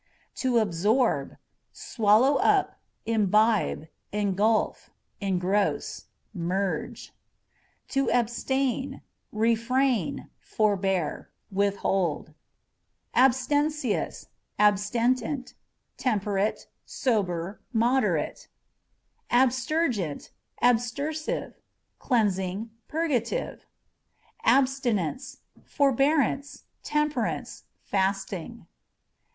To Absorb â€" swallow up, imbibe, engulf, engross, merge. To Abstain â€" refrain forbear, withhold. i. ABSâ€" ACC. 3 Abstemious, Abstinent â€" temperate, sober, moderate. Abstergent, Abstersiveâ€" cleansing, purgative. Abstinence â€" forbearance, temperance, fasting.